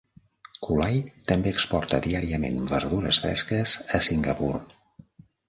Kulai també exporta diàriament verdures fresques a Singapur.